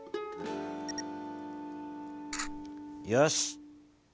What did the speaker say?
よし！